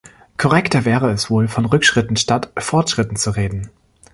Korrekter wäre es wohl, von Rückschritten statt Fortschritten zu reden.